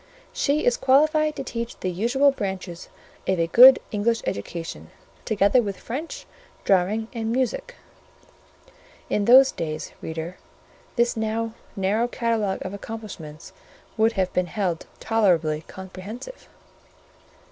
"She is qualified to teach the usual branches of a good English education, together with French, Drawing, and Music" (in those days, reader, this now narrow catalogue of accomplishments, would have been held tolerably comprehensive).